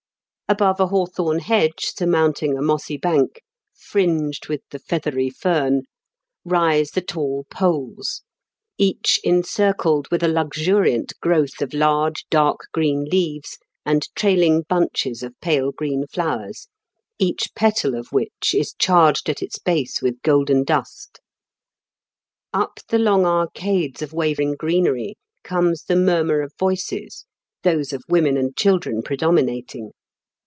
Above a hawthorn hedge, surmounting a mossy bank, " fringed with the feathery fern," rise the tall poles, each encircled with a luxuriant growth of large dark green leaves and trailing bunches of pale green flowers, each petal of which is charged at its base with golden dust. Up the long arcades of waving greenery comes the murmur of voices, those of women and children predominating.